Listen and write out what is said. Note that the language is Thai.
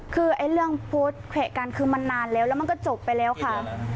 คือเรื่องโพสต์แขวะกันคือมันนานแล้วแล้วมันก็จบไปแล้วค่ะ